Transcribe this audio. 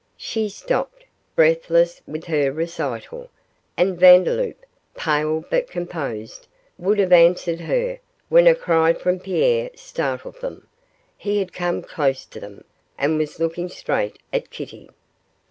She stopped, breathless with her recital, and Vandeloup, pale but composed, would have answered her, when a cry from Pierre startled them. He had come close to them, and was looking straight at Kitty.